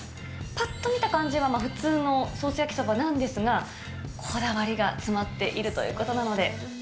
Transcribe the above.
ぱっと見た感じは普通のソース焼きそばなんですが、こだわりが詰まっているということなので。